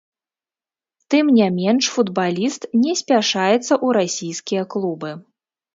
Тым не менш футбаліст не спяшаецца ў расійскія клубы.